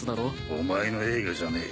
お前の映画じゃねえ